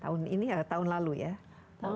tahun ini dan tahun lalu sekitar